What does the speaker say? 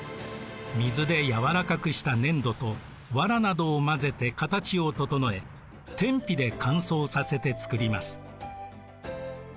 水で軟らかくした粘土とわらなどを混ぜて形を整え天日で乾燥させてつくります。